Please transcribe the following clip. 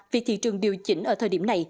việc thị trường điều chỉnh ở thời điểm này